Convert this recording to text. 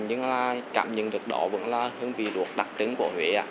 nhưng là cảm nhận được đó vẫn là hương vị ruốc đặc trưng của huế